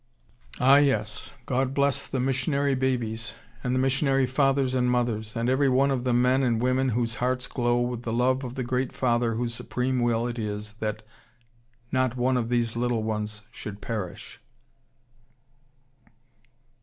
Ah yes! God bless the missionary babies, and the missionary fathers and mothers, and every one of the men and women whose hearts glow with the love of the great Father whose supreme will it is that "not one of these little ones should perish!"